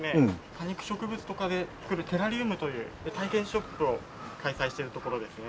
多肉植物とかで作るテラリウムという体験ショップを開催してるところですね。